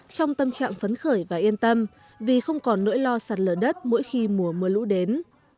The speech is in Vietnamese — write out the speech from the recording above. trong tâm trạng phấn khởi và yên tâm vì không còn nỗi lo sạt lở đất mỗi khi mùa mưa lũ đến